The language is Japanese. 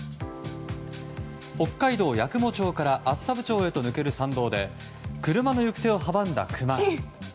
北海道八雲町から厚沢部町へと抜ける山道で車の行く手を阻んだクマ。